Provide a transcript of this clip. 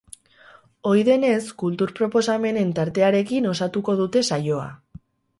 Ohi denez, kultur proposamenen tartearekin osatuko dute saioa.